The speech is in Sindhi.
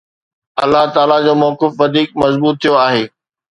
الله تعاليٰ جو موقف وڌيڪ مضبوط ٿيو آهي.